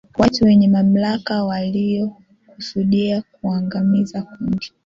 watu wenye mamlaka walikusudia kuangamiza kundi